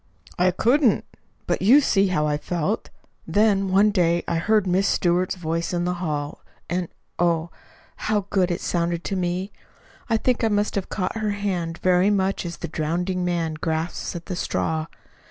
"I couldn't. But you see how I felt. Then, one day I heard Miss Stewart's voice in the hall, and, oh, how good it sounded to me! I think I must have caught her hand very much as the drowning man grasps at the straw.